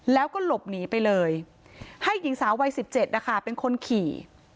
แล้วก็หลบหนีไปเลยให้หญิงสาววัย๑๗นะคะเป็นคนขี่